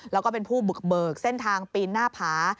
แล้วก็เป็นผู้บุกเบิกเส้นทางปีนหน้าผา